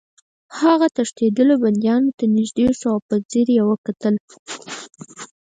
هغه تښتېدلي بندیانو ته نږدې شو او په ځیر یې وکتل